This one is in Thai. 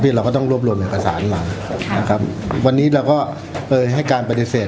เราก็ต้องรวบรวมเอกสารมานะครับวันนี้เราก็เอ่ยให้การปฏิเสธ